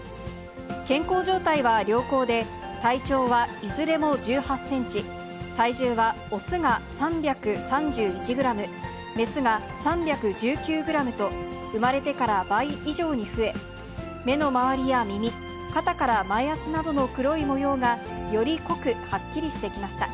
健康状態は良好で、体長はいずれも１８センチ、体重は雄が３３１グラム、雌が３１９グラムと、産まれてから倍以上に増え、目の周りや耳、肩から前足などの黒い模様が、より濃く、はっきりしてきました。